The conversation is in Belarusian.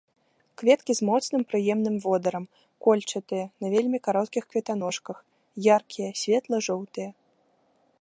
Кветкі з моцным прыемным водарам, кольчатыя, на вельмі кароткіх кветаножках, яркія, светла жоўтыя.